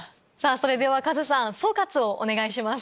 それではカズさん総括をお願いします。